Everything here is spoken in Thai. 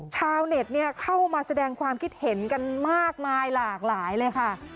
ชาวเน็ตเข้ามาแสดงความคิดเห็นกันมากมายหลากหลายเลยค่ะ